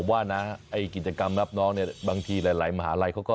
ว่านะไอ้กิจกรรมรับน้องเนี่ยบางทีหลายมหาลัยเขาก็